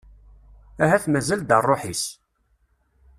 Ahat mazal-d rruḥ-is.